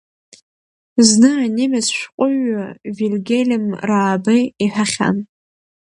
Зны анемец шәҟәыҩҩы Вильгельм Раабе иҳәахьан…